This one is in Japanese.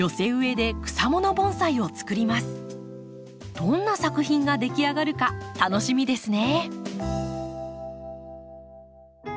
どんな作品が出来上がるか楽しみですね。